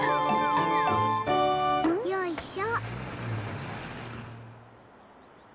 よいしょ。